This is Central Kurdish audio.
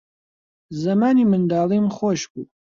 زەمانی منداڵیم خۆش بوو